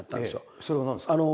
それは何ですか？